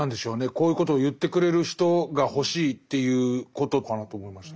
こういうことを言ってくれる人が欲しいということかなと思いました。